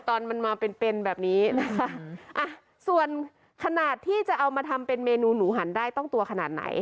ตอนมันมาเป็นเป็นแบบนี้นะคะอ่ะส่วนขนาดที่จะเอามาทำเป็นเมนูหนูหันได้ต้องตัวขนาดไหน